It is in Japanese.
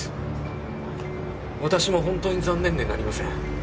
私も本当に残念でなりません。